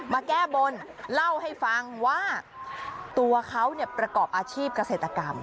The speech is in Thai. มาแก้บนเล่าให้ฟังว่าตัวเขาเนี่ยประกอบอาชีพเกษตรกรรม